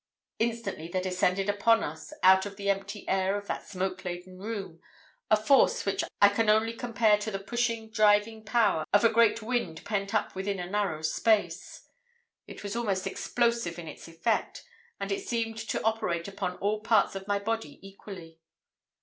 "Instantly there descended upon us, out of the empty air of that smoke laden room, a force which I can only compare to the pushing, driving power of a great wind pent up within a narrow space. It was almost explosive in its effect, and it seemed to operate upon all parts of my body equally.